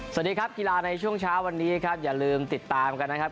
สวัสดีครับกีฬาในช่วงเช้าวันนี้ครับอย่าลืมติดตามกันนะครับ